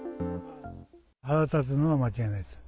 腹立つのは間違いないです。